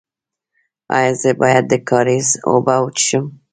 ایا زه باید د کاریز اوبه وڅښم؟